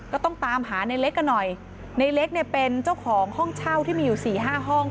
ก็ต้องตามหาในเล็กกันหน่อยในเล็กเนี่ยเป็นเจ้าของห้องเช่าที่มีอยู่สี่ห้าห้อง